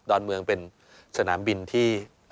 อนเมืองเป็นสนามบินที่